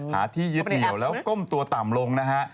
หาที่ยึดเหนียวแล้วก้มตัวต่ำลงนะฮะ